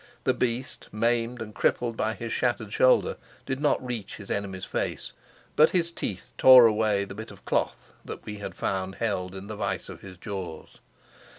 The beast, maimed and crippled by his shattered shoulder, did not reach his enemy's face, but his teeth tore away the bit of cloth that we had found held in the vise of his jaws.